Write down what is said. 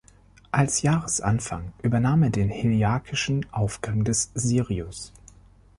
Als Jahresanfang übernahm er den heliakischen Aufgang des Sirius.